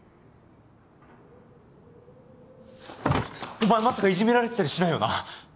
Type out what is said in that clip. お前まさかいじめられてたりしないよな？